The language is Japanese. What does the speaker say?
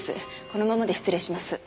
このままで失礼します。